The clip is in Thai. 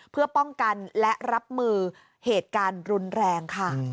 เพื่อป้องกันและรับมือเหตุการณ์รุนแรงค่ะ